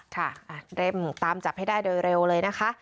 ค่ะเร่งตามจับให้ได้โดยเร็วเลยนะคะ